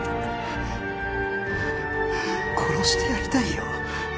殺してやりたいよ